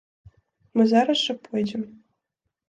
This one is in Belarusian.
Мы зараз жа пойдзем.